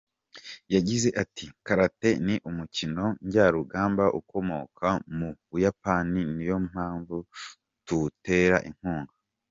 Yagize ati “Karate ni umukino njyarugamba ukomoka mu Buyapani niyo mpamvu tuwutera inkunga.